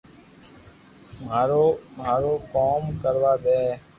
مارو مارو ڪوم ڪروا دي